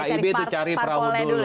kib itu cari perahu dulu